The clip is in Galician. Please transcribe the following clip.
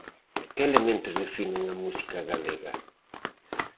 Que elementos definen a música galega?